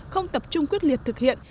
không tập trung quyết liệt thực hiện